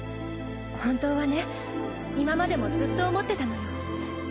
本当はね今までもずっと思ってたのよ。